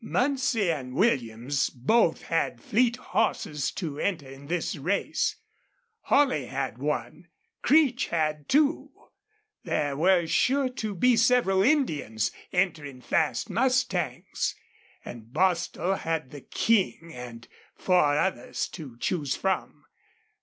Muncie and Williams both had fleet horses to enter in this race; Holley had one; Creech had two; there were sure to be several Indians enter fast mustangs; and Bostil had the King and four others to choose from.